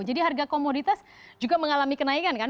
jadi harga komoditas juga mengalami kenaikan kan